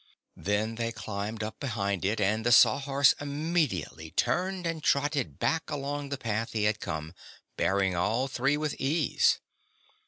Then they climbed up behind it and the Sawhorse immediately turned and trotted back along the path he had come, bearing all three with ease.